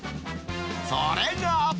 それが。